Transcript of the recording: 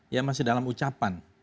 ya masih dalam ucapan